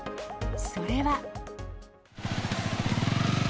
それは。